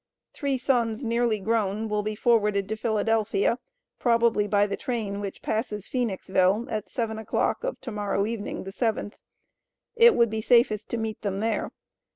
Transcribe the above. Three sons, nearly grown, will be forwarded to Phila., probably by the train which passes Phoenixville at seven o'clock of to morrow evening the seventh. It would be safest to meet them there.